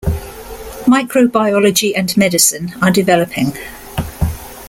Microbiology and medicine are developing.